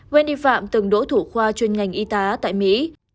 veni phạm từng đỗ thủ khoa chuyên ngành y tá tại mỹ